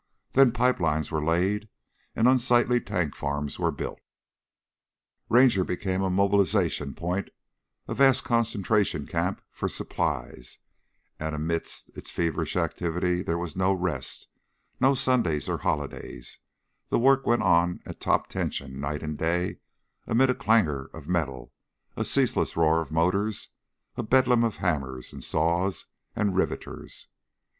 Then pipe lines were laid and unsightly tank farms were built. Ranger became a mobilization point, a vast concentration camp for supplies, and amid its feverish activity there was no rest, no Sundays or holidays; the work went on at top tension night and day amid a clangor of metal, a ceaseless roar of motors, a bedlam of hammers and saws and riveters.